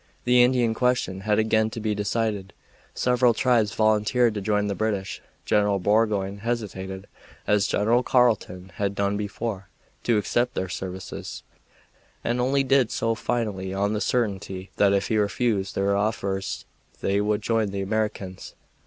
The Indian question had again to be decided. Several tribes volunteered to join the British. General Burgoyne hesitated, as General Carleton had done before, to accept their services, and only did so finally on the certainty that if he refused their offers they would join the Americans.